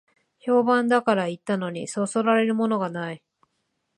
評判だから行ったのに、そそられるものがない